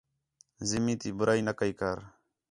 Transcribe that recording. زمیں تی بُرائی نہ کَئی کر